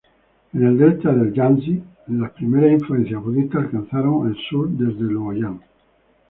En el delta del Yangzi, las primeras influencias budistas alcanzaron el sur desde Luoyang.